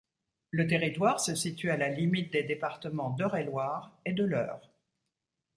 Le territoire se situe à la limite des département d'Eure-et-Loir et de l'Eure.